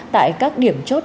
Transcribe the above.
tại các điểm chốt chặt chẽ